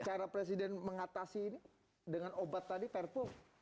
cara presiden mengatasi ini dengan obat tadi perpu